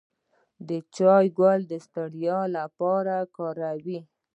د چای ګل د ستړیا لپاره وکاروئ